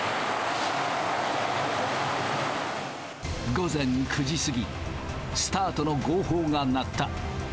午前９時過ぎ、スタートの号砲が鳴った。